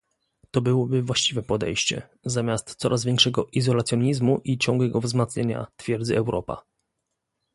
To byłoby właściwe podejście, zamiast coraz większego izolacjonizmu i ciągłego wzmacniania "Twierdzy Europa"